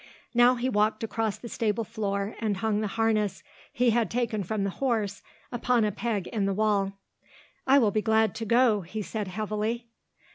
Now he walked across the stable floor and hung the harness he had taken from the horse upon a peg in the wall. "I will be glad to go," he said heavily.